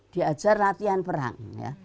diajar latihan perang